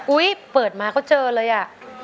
อุ้ยเปิดมาเขาเจอเลยอ่ะ